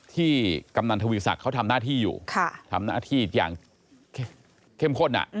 กำนันทวีศักดิ์เขาทำหน้าที่อยู่ทำหน้าที่อย่างเข้มข้น